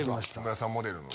木村さんモデルの。